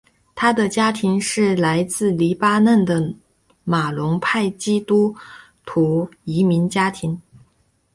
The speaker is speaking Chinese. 他的家庭是来自黎巴嫩的马龙派基督徒移民家庭。